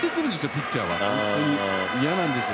ピッチャーは嫌なんですよ